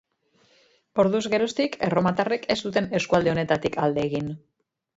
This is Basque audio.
Orduz geroztik erromatarrek ez zuten eskualde honetatik alde egin.